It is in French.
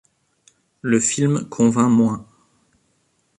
Le film convainc moins.